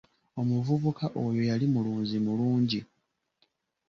Omuvubuka oyo yali mulunzi mulungi.